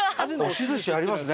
押し寿司ありますね